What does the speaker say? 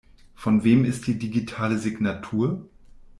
Von wem ist die digitale Signatur?